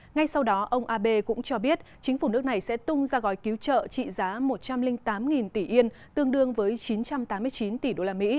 ngay sau đó ông abe cũng cho biết chính phủ nước này sẽ tung ra gói cứu trợ trị giá một trăm linh tám tỷ yên tương đương với chín trăm tám mươi chín tỷ usd